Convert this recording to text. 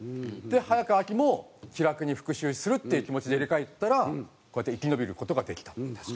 で早川アキも気楽に復讐するっていう気持ちで入れ替えたらこうやって生き延びる事ができた。